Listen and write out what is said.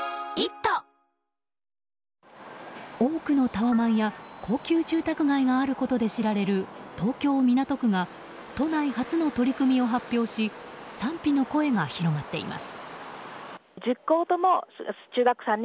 多くのタワマンや高級住宅街があることで知られる東京・港区が都内初の取り組みを発表し賛否の声が広がっています。